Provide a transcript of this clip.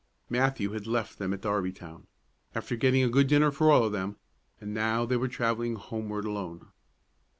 Matthew had left them at Darbytown, after getting a good dinner for all of them, and now they were travelling homeward alone.